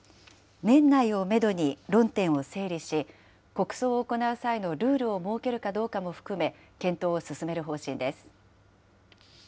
年内をメドに論点を整理し、国葬を行う際のルールを設けるかどうかも含め、検討を進める方針です。